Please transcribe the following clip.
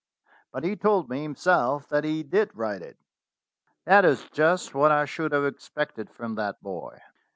"But he told me himself that he did write it." "That is just what I should have expected from that boy.